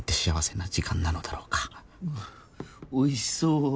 おいしそう。